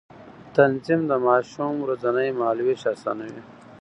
تنظيم د ماشوم ورځنی مهالوېش آسانوي.